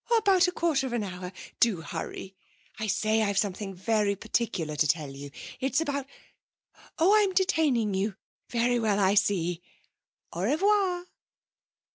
Oh, about a quarter of an hour! Do hurry!... I say, I've something very particular to tell you. It's about... Oh, I'm detaining you. Very well. I see. Au revoir.'